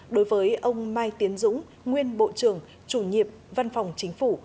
đối với ông mai tiến dũng nguyên bộ trưởng chủ nhiệm văn phòng chính phủ